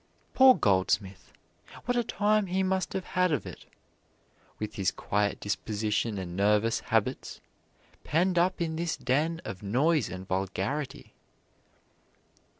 Poor Goldsmith! What a time he must have had of it, with his quiet disposition and nervous habits, penned up in this den of noise and vulgarity."